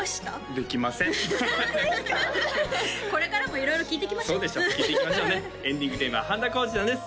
できません何でですかこれからも色々聞いていきましょ聞いていきましょうねエンディングテーマは半田浩二さんです